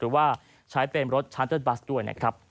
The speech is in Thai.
หรือว่าใช้เป็นรถชันเตอร์บัสด้วย